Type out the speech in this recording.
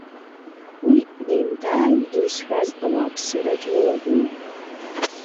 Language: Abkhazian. Уи неимдаааимдо изҳәоз ауааԥсыра дрылагылан.